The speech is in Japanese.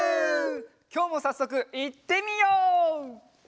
きょうもさっそくいってみよう！